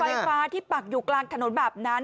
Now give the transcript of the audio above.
หลายสองไฟฟ้าที่ปักอยู่กลางขนมบาบนั้น